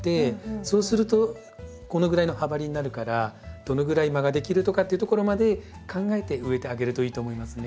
そうするとこのぐらいの葉張りになるからどのぐらい間ができるとかっていうところまで考えて植えてあげるといいと思いますね。